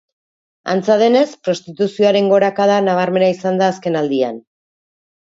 Antza denez, prostituzioaren gorakada nabarmena izan da azkenaldian.